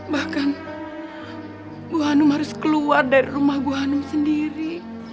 bahkan ibu hanum harus keluar dari rumah ibu hanum sendiri